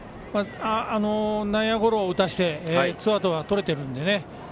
内野ゴロを打たせてツーアウトはとれているので。